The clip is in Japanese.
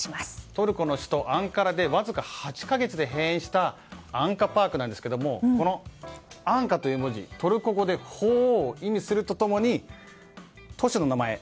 トルコの首都アンカラでわずか８か月で閉園したアンカパークですがアンカという文字トルコ語で鳳凰を意味すると共に都市の名前